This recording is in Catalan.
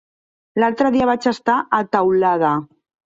L'altre dia vaig estar a Teulada.